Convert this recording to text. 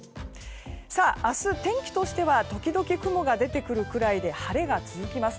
明日、天気としては時々雲が出てくるくらいで晴れが続きます。